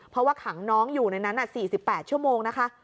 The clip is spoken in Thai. เพราะว่าขังน้องอยู่ในนั้น๔๘ชั่วโมงนะคะ